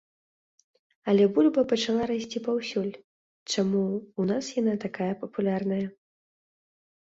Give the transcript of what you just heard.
Але бульба пачала расці паўсюль, чаму ў нас яна такая папулярная.